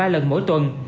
ba lần mỗi tuần